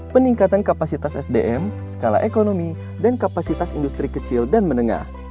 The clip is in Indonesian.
peningkatan kapasitas sdm skala ekonomi dan kapasitas industri kecil dan menengah